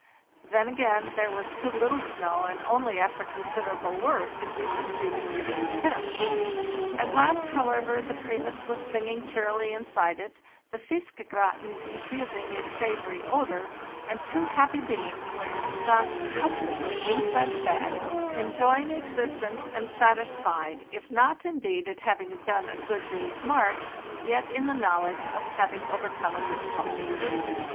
Then, again, there was too little snow, and only after considerable work did we succeed in pitching the tent. At last, however, the ' Primus' was singing cheerily inside it, the 'fiskegratin' diffusing its savory odor, and two happy beings were ensconced comfortably inside the bag, enjoying existence and satisfied, if not, indeed, at having done a good day's march, yet in the knowledge of having overcome a difficulty.